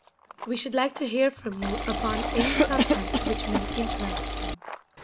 We should like to hear from you upon any subject which may interest you.